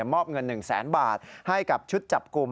มอบเงิน๑แสนบาทให้กับชุดจับกลุ่ม